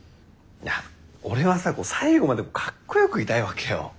俺はさ最期までかっこよくいたいわけよ。